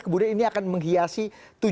kemudian ini akan menghiasi